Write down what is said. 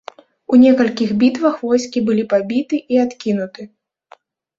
У некалькіх бітвах войскі былі пабіты і адкінуты.